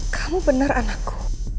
kamu benar anakku